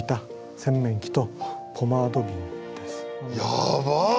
やばっ！